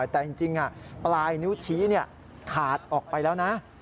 แต่จริงปลายนิ้วชี้ขาดออกไปแล้วนะ